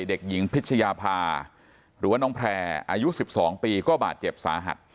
เด็กหญิงพิชยาภาหรือว่าน้องแพร่อายุ๑๒ปีก็บาดเจ็บสาหัส